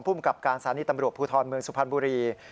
ภูมิกับการสถานีตำรวจภูทรเมืองสุพรรณบุรี